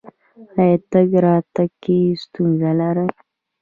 ایا تګ راتګ کې ستونزه لرئ؟